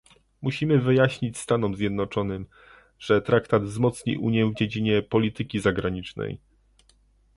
Musimy wyjaśnić Stanom Zjednoczonym, że traktat wzmocni Unię w dziedzinie polityki zagranicznej